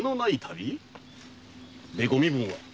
ご身分は！？